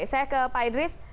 saya ke pak idris